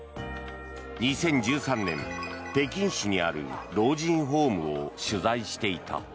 ２０１３年北京市にある老人ホームを取材していた。